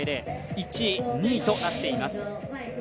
１位、２位となっています。